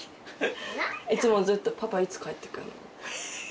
い弔ずっと「パパいつ帰ってくんの？」。